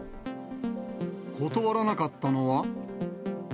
断らなかったのは？